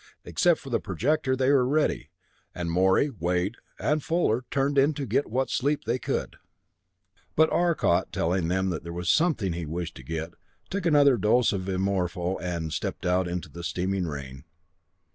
Except for the projector they were ready, and Morey, Wade and Fuller turned in to get what sleep they could. But Arcot, telling them there was something he wished to get, took another dose of Immorpho and stepped out into the steaming rain.